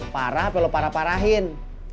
parah apa lu parah parahin